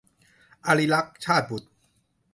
อริรัก - ชาตบุษย์